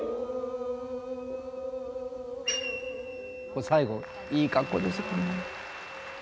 ここ最後いい格好ですよね。